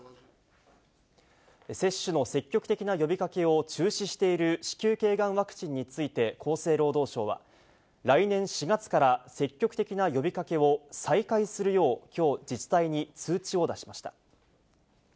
接種の積極的な呼びかけを中止している子宮けいがんワクチンについて、厚生労働省は、来年４月から、積極的な呼びかけを再開するようきょう、自治体に通知を出しました。